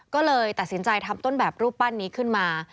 ก็เลยตัดสินใจทำต้นแบบรูปปั้นนี้ขึ้นมา